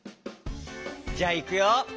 じゃあいくよ。